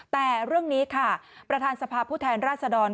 แต่เรื่องนี้ค่ะประธานสภาพผู้แทนราชดร